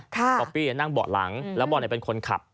ป๊อปปี้นั่งเบาะหลังแล้วบอลเป็นคนขับ